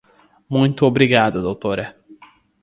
Muito obrigada Doutora.